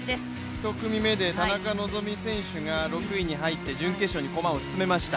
１組目で田中希実選手が６位に入って準決勝に駒を進めました。